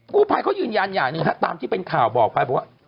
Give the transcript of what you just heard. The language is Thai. กู้ภัยเขายืนยันอย่างหนึ่งฮะตามที่เป็นข่าวบอกไปบอกว่า